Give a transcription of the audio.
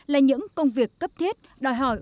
là những công việc cấp thiết đòi hỏi